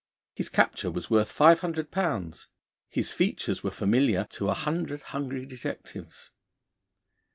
His capture was worth five hundred pounds; his features were familiar to a hundred hungry detectives.